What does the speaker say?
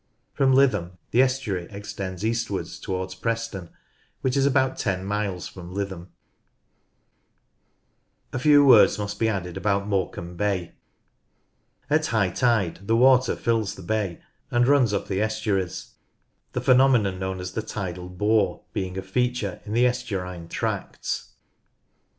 From Lytham the estuary extends eastwards towards Preston, which is about ten miles from Lytham. c u U en O c o 46 NORTH LANCASHIRE A few words must be added about Morecambe Bay. At high tide the water fills the bay, and runs up the estuaries, the phenomenon known as the tidal bore being a feature in the estuarine tracts.